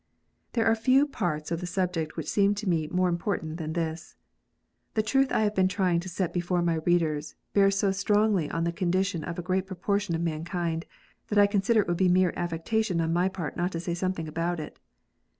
There are few parts of the subject which seem to me more important than this. The truth I have been trying to set before my readers bears so strongly on the condition of a great proportion of mankind, that I consider it would be mere affecta tion on my part not to say something about it.